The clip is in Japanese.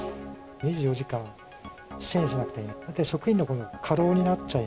２４時間、支援をしなくてはいけない。